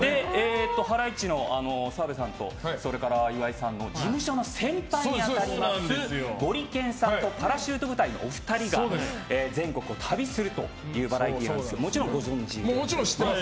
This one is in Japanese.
ハライチの澤部さんと岩井さんの事務所の先輩に当たりますゴリけんさんとパラシュート部隊のお二人が全国を旅するというバラエティーなんですけどもちろん知ってます